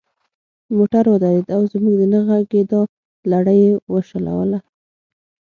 موټر ودرید او زموږ د نه غږیدا لړۍ یې وشلوله.